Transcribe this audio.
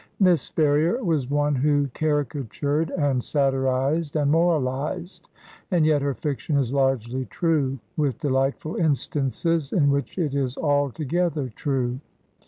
Miss Ferrier was one who caricatured and Satirized and moralized; and yet her fiction is largely true, with delightful instances in which it is altogether true.